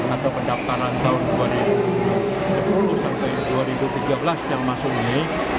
atau pendaftaran tahun dua ribu sepuluh sampai dua ribu tiga belas yang masuk ini